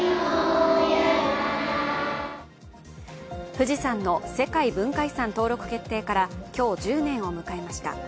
富士山の世界文化遺産登録決定から今日１０年を迎えました。